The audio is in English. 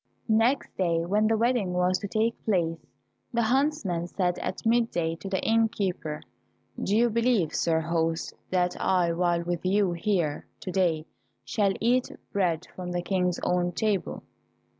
Next day when the wedding was to take place, the huntsman said at mid day to the inn keeper, "Do you believe, sir host, that I while with you here to day shall eat bread from the King's own table?"